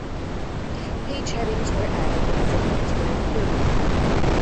Page headings were added and footnotes were improved.